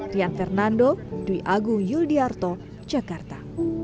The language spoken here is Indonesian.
rian fernando dwi agung yul diyarto jakarta